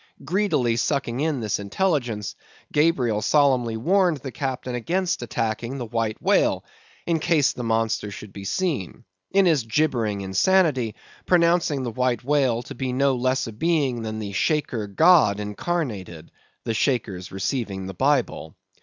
Greedily sucking in this intelligence, Gabriel solemnly warned the captain against attacking the White Whale, in case the monster should be seen; in his gibbering insanity, pronouncing the White Whale to be no less a being than the Shaker God incarnated; the Shakers receiving the Bible.